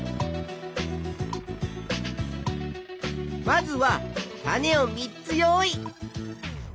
まずは種を３つ用意。